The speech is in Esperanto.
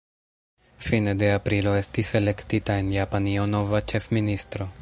Fine de aprilo estis elektita en Japanio nova ĉefministro.